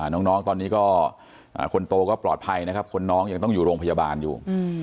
ตอนนี้คนโตก็ปลอดภัยคนน้องอย่างต้องอยู่โรงพยาบาลอยู่